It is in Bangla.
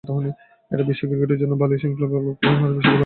এটা বিশ্ব ক্রিকেটের জন্য ভালো, এশিয়ান ব্লকের জন্য আরও বেশি ভালো।